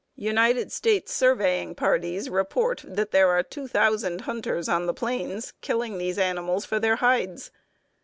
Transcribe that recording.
United States surveying parties report that there are two thousand hunters on the plains killing these animals for their hides.